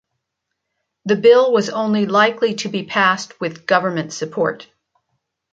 The bill was only likely to be passed with Government support.